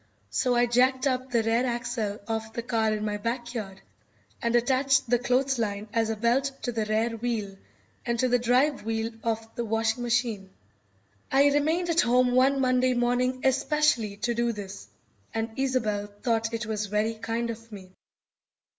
So I jacked up the rear axle of the car in my backyard, and attached the clothesline as a belt to the rear wheel and to the drive wheel of the washing machine. I remained at home one Monday morning especially to do this, and Isobel thought it was very kind of me.